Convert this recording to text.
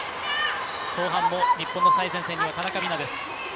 後半も日本の最前線には田中美南。